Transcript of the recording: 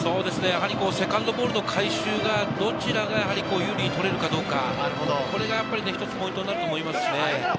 セカンドボールの回収、どちらが有利に取れるかどうか、これが一つポイントになると思います。